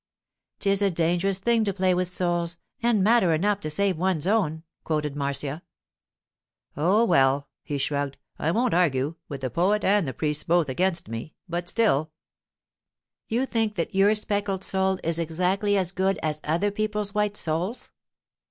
'"'Tis a dangerous thing to play with souls, and matter enough to save one's own,"' quoted Marcia. 'Oh, well,' he shrugged, 'I won't argue, with the poet and the priests both against me; but still——' 'You think that your speckled soul is exactly as good at other people's white souls?